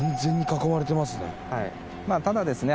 ただですね